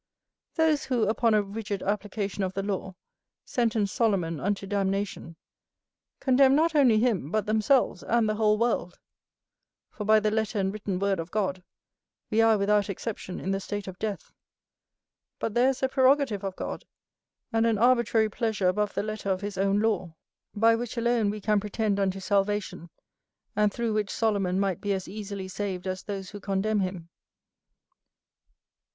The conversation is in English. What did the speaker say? Those who, upon a rigid application of the law, sentence Solomon unto damnation, condemn not only him, but themselves, and the whole world; for by the letter and written word of God, we are without exception in the state of death: but there is a prerogative of God, and an arbitrary pleasure above the letter of his own law, by which alone we can pretend unto salvation, and through which Solomon might be as easily saved as those who condemn him.